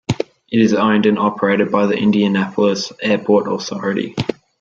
It is owned and operated by the Indianapolis Airport Authority.